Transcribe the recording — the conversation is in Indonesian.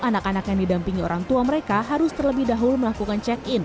anak anak yang didampingi orang tua mereka harus terlebih dahulu melakukan check in